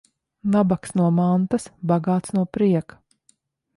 Nabags no mantas, bagāts no prieka.